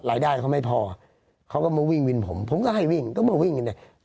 รายได้เขาไม่พอเขาก็มาวิ่งวินผมผมก็ให้วิ่งก็มาวิ่งวินเนี่ย